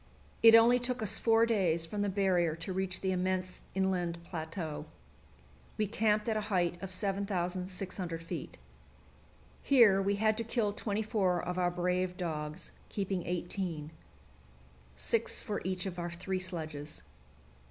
It only took us four days from the barrier to reach the immense inland plateau. We camped at a height of 7,600 feet. Here we had to kill twenty four of our brave dogs, keeping eighteen six for each of our three sledges.